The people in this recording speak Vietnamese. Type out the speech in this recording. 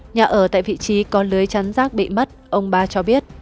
nhà ở tại vị trí có lưới chắn rác bị mất ông ba cho biết